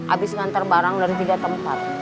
habis ngantar barang dari tiga tempat